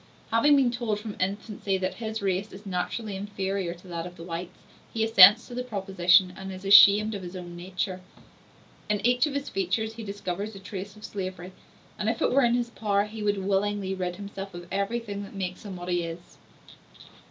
Having been told from infancy that his race is naturally inferior to that of the whites, he assents to the proposition and is ashamed of his own nature. In each of his features he discovers a trace of slavery, and, if it were in his power, he would willingly rid himself of everything that makes him what he is.